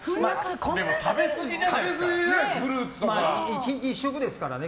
１日１食ですからね